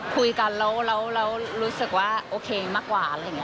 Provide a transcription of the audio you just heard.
คุยกันแล้วเรารู้สึกว่าโอเคมากกว่า